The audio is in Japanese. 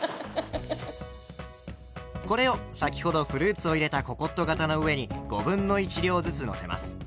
これを先ほどフルーツを入れたココット型の上に５分の１量ずつのせます。